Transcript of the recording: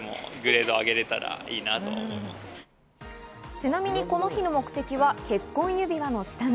ちなみに、この日の目的は結婚指輪の下見。